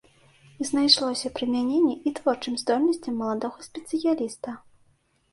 Знайшлося прымяненні і творчым здольнасцям маладога спецыяліста.